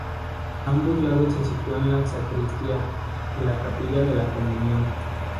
A ambos lados se sitúan la sacristía y la Capilla de la Comunión.